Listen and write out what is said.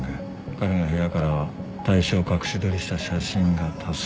彼の部屋からは対象を隠し撮りした写真が多数存在。